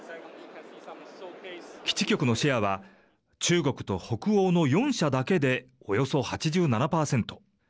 基地局のシェアは中国と北欧の４社だけでおよそ８７％。